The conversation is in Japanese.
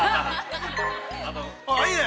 あっ、いいね！